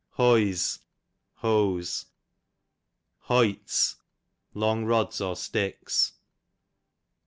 Hoyse, hose. Hoyts, long rods or sticks.